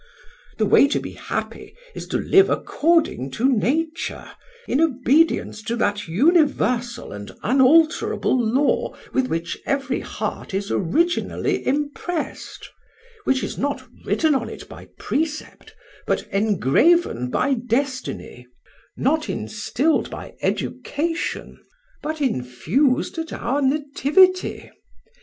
The way to be happy is to live according to Nature, in obedience to that universal and unalterable law with which every heart is originally impressed; which is not written on it by precept, but engraven by destiny; not instilled by education, but infused at our nativity.